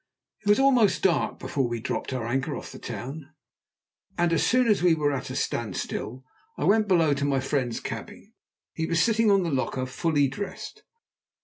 It was almost dark before we dropped our anchor off the town, and as soon as we were at a standstill I went below to my friend's cabin. He was sitting on the locker fully dressed.